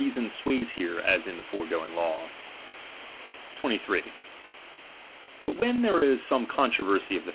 son sways here, as in the foregoing law. 23. But when there is some controversy of the chap.